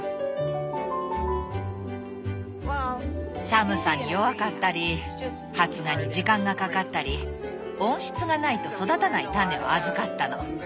寒さに弱かったり発芽に時間がかかったり温室がないと育たない種を預かったの。